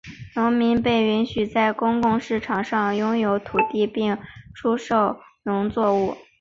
农民被允许在公开市场上拥有土地并出售农作物。